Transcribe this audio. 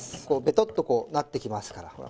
こうベトッとこうなってきますから。